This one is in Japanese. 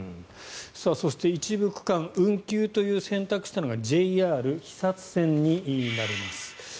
そして、一部区間運休という選択をしたのがＪＲ肥薩線になります。